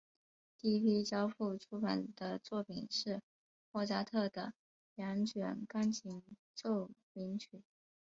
第一批交付出版的作品是莫扎特的两卷钢琴奏鸣曲。